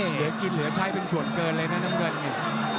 เหลือกินเหลือใช้เป็นส่วนเกินเลยนะน้ำเงินนี่